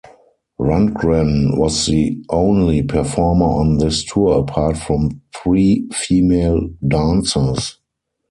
Rundgren was the only performer on this tour apart from three female dancers.